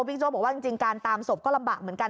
โจ๊กบอกว่าจริงการตามศพก็ลำบากเหมือนกัน